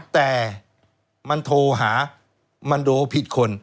แต่มันโทรหามันดูผิดคน